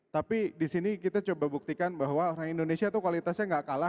tapi disini kita coba buktikan bahwa orang indonesia tuh kualitasnya gak kalah